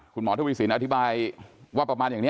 คุณหมอทวีสินอธิบายว่าประมาณอย่างนี้